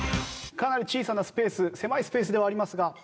かなり小さなスペース狭いスペースではありますが。